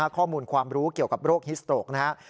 ข้อมูลความรู้เกี่ยวกับโรคฮิสโตรกนะครับ